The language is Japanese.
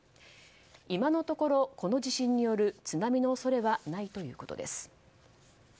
今のところ、この地震による津波の恐れはないということです。